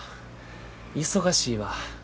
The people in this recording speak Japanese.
忙しいわ。